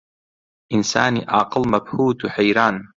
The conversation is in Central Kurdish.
ئینسانی عاقڵ مەبهووت و حەیران